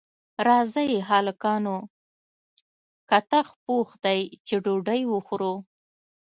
راځئ هلکانو کتغ پوخ دی چې ډوډۍ وخورو